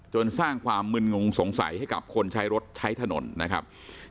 สร้างความมึนงงสงสัยให้กับคนใช้รถใช้ถนนนะครับ